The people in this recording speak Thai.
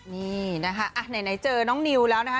นี่นะคะไหนเจอน้องนิวแล้วนะคะ